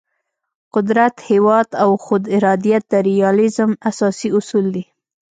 قدرت، هیواد او خود ارادیت د ریالیزم اساسي اصول دي.